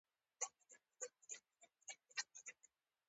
دا زیاتوالی د ډول جمعي ځواک او فردي رنځونه ښکاره کوي.